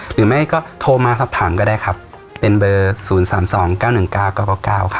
หรือไม่ก็โทรมาร์ชรับถามก็ได้ครับเป็นเบอร์สูงสามสองเก้าหนึ่งกาเกาเกาเกาค่ะ